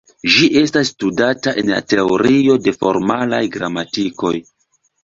Ĝi estas studata en la Teorio de formalaj gramatikoj.